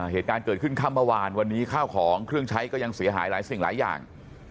เหตุการณ์เกิดขึ้นค่ำเมื่อวานวันนี้ข้าวของเครื่องใช้ก็ยังเสียหายหลายสิ่งหลายอย่าง